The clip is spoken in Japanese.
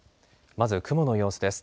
まず雲の様子です。